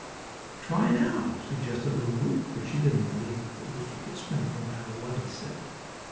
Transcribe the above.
"Try now," suggested Lulu, for she didn't believe that rooster could swim, no matter what he said.